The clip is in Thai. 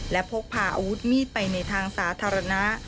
และพกพาอาวุธมีดไปในทางสาธารณะ